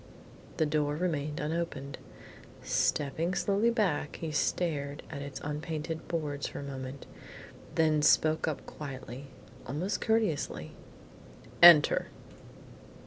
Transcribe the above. The door remained unopened. Stepping slowly back, he stared at its unpainted boards for a moment, then he spoke up quietly, almost courteously: "Enter."